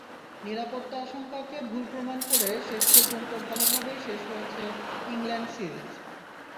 নিরাপত্তাশঙ্কাকে ভুল প্রমাণ করে শেষ পর্যন্ত ভালোভাবেই শেষ হয়েছে ইংল্যান্ড সিরিজ।